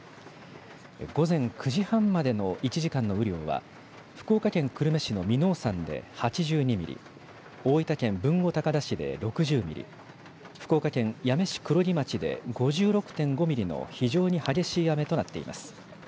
午前９時半までの１時間の雨量は、福岡県久留米市の耳納山で８２ミリ、大分県豊後高田市で６０ミリ、福岡県八女市黒木町で５６．５ミリの非常に激しい雨となっています。